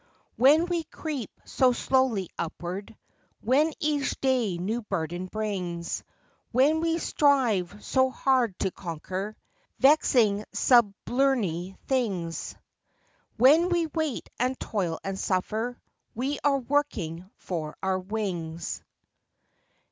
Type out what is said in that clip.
When we creep so slowly upward ; When each day new burden brings ; When we strive so hard to conquer Vexing sublunary things ; When we wait and toil and suffer, We are working for our wings.